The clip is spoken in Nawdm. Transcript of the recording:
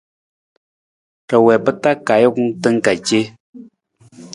Ra wii pa taa ka ajukun tan ka ce.